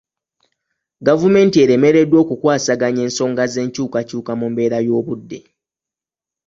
Gavumenti eremeddwa okukwasaganya ensonga z'enkyukakyuka mu mbeera y'obudde.